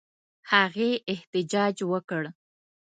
هغې احتجاج وکړ.